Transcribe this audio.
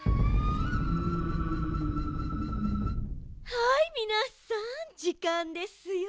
はいみなさんじかんですよ。